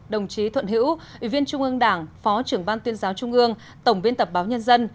đồng chí thuận hữu ủy viên trung ương đảng phó trưởng ban tuyên giáo trung ương tổng biên tập báo nhân dân